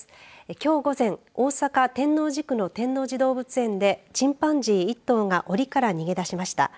きょう午前大阪天王寺区の天王寺動物園でチンパンジー１頭がおりから逃げ出しました。